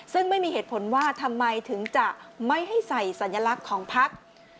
ซึ่งไม่มีเหตุผลว่าทำไมถึงจะไม่ให้ใส่สัญลักษณ์ของพัก